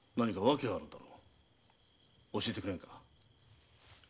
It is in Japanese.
教えてくれぬか？